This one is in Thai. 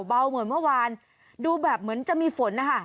เบาเหมือนเมื่อวานดูแบบเหมือนจะมีฝนนะคะ